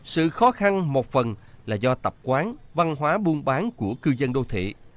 sự khó khăn một phần là do tập quán văn hóa buôn bán của cư dân đô thị